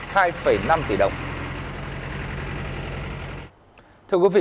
hai năm tỷ đồng